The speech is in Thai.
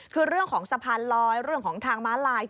คือเรื่องของสะพานลอยเรื่องของทางม้าลาย